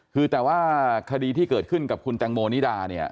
คือแต่ว่าคดีที่เกิดขึ้นกับคุณแตงโมนิดาเนี่ย